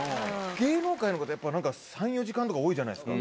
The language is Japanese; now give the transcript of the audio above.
芸能界の方やっぱなんか３４時間とか多いじゃないですか